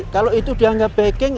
kalau itu dia enggak backing